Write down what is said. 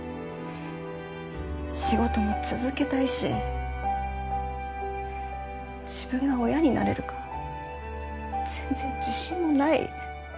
仕事も続けたいし自分が親になれるか全然自信もない。